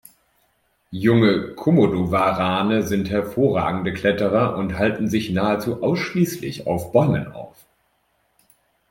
Junge Komodowarane sind hervorragende Kletterer und halten sich nahezu ausschließlich auf Bäumen auf.